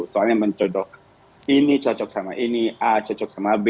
soalnya mencodok ini cocok sama ini a cocok sama b